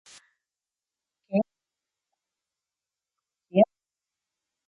Què ha comentat sobre Escòcia?